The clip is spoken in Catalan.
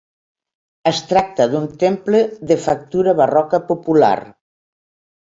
Es tracta d'un temple de factura barroca popular.